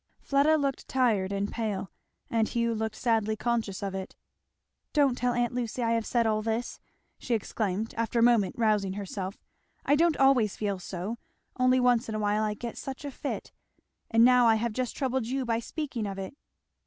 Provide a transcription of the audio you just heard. Fleda looked tired and pale; and Hugh looked sadly conscious of it. "Don't tell aunt Lucy I have said all this!" she exclaimed after a moment rousing herself, "I don't always feel so only once in a while I get such a fit And now I have just troubled you by speaking of it!"